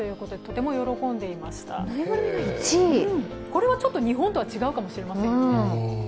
これは日本とは違うかもしれませんよね。